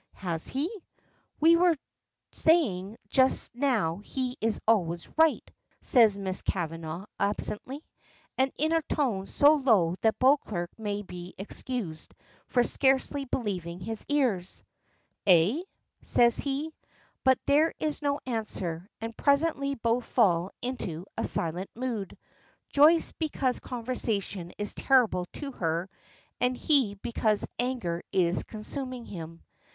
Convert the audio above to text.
"Has he? We were saying just now he is always right," says Miss Kavanagh, absently, and in a tone so low that Beauclerk may be excused for scarcely believing his ears. "Eh?" says he. But there is no answer, and presently both fall into a silent mood Joyce because conversation is terrible to her, and he because anger is consuming him.